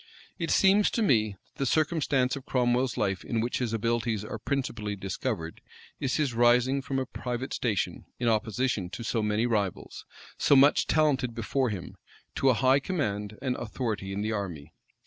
It seems to me, that the circumstance of Cromwell's life in which his abilities are principally discovered, is his rising from a private station, in opposition to so many rivals, so much advanced before him, to a high command and authority, in the army.